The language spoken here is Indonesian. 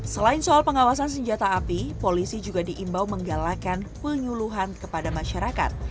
selain soal pengawasan senjata api polisi juga diimbau menggalakkan penyuluhan kepada masyarakat